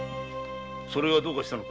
それがどうかしたのか。